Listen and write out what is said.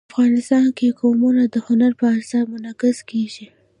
افغانستان کې قومونه د هنر په اثار کې منعکس کېږي.